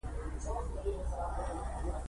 د شاړوبېک غر نه یې څېړۍ په شا بار کړې وې